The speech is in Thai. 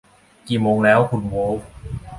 กี่โมงแล้ว คุณโวล์ฟ